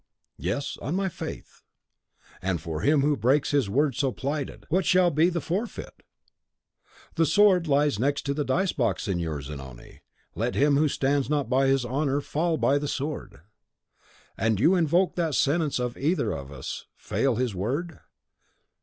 "Yes, on my faith." "And for him who breaks his word so plighted, what shall be the forfeit?" "The sword lies next to the dice box, Signor Zanoni. Let him who stands not by his honour fall by the sword." "And you invoke that sentence if either of us fail his word?